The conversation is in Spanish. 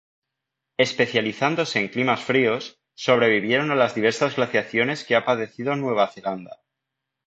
Especializándose en climas fríos, sobrevivieron a las diversas glaciaciones que ha padecido Nueva Zelanda.